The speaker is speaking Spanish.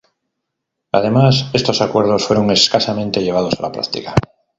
Además, estos acuerdos fueron escasamente llevados a la práctica.